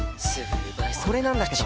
これなんだけど。